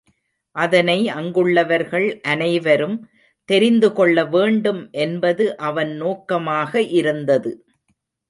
அதனை அங்குள்ளவர்கள் அனைவரும் தெரிந்து கொள்ள வேண்டும் என்பது அவன் நோக்கமாக இருந்தது.